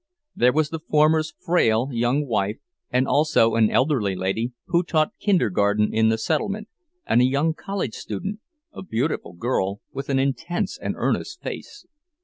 There was the former's frail young wife, and also an elderly lady, who taught kindergarten in the settlement, and a young college student, a beautiful girl with an intense and earnest face.